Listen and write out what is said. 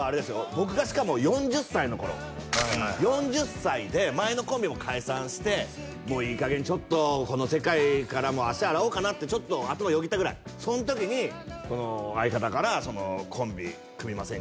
僕がしかも４０歳の頃はいはいはい４０歳で前のコンビも解散してもういい加減ちょっとこの世界から足洗おうかなってちょっと頭よぎったぐらいそん時に相方から「コンビ組みませんか？」